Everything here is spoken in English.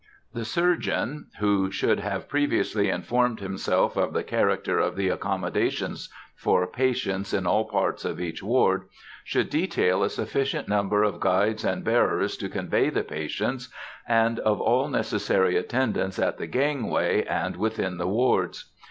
The surgeon, who should have previously informed himself of the character of the accommodations for patients in all parts of each ward, should detail a sufficient number of guides and bearers to convey the patients, and of all necessary attendants at the gangway, and within the wards.